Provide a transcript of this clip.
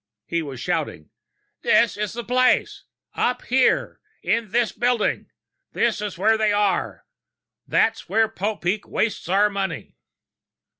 He was shouting, "This is the place! Up here, in this building, that's where they are! That's where Popeek wastes our money!"